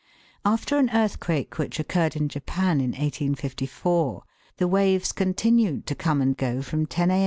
After an earthquake which occurred in Japan in 1854, the waves continued to come and go from 10 a.